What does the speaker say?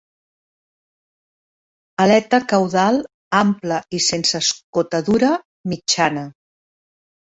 Aleta caudal ampla i sense escotadura mitjana.